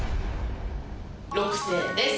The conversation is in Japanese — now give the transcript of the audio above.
６点です。